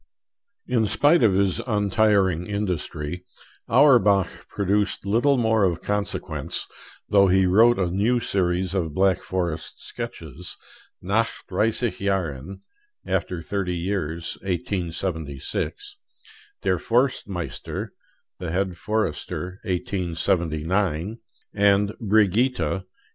In spite of his untiring industry, Auerbach produced little more of consequence, though he wrote a new series of Black Forest sketches: 'Nach Dreissig Jahren' (After Thirty Years: 1876); 'Der Forstmeister' (The Head Forester: 1879); and 'Brigitta' (1880).